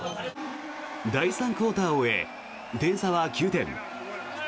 第３クオーターを終え点差は９点。